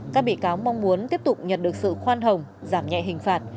các bị cáo mong muốn tiếp tục nhận được sự khoan hồng giảm nhẹ hình phạt